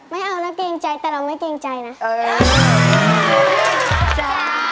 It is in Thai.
ไม่เอานะเกรงใจแต่เราไม่เกรงใจนะ